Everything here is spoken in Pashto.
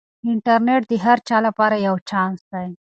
انټرنیټ د هر چا لپاره یو چانس دی.